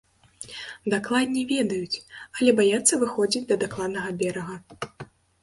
Дакладней, ведаюць, але баяцца выходзіць да дакладнага берага.